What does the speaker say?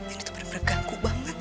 hahahaha ini tuh bener bener ganggu banget